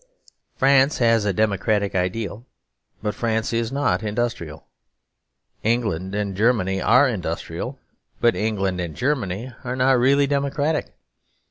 France has a democratic ideal; but France is not industrial. England and Germany are industrial; but England and Germany are not really democratic.